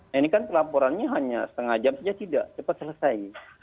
nah ini kan pelaporannya hanya setengah jam saja tidak cepat selesai